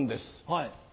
はい。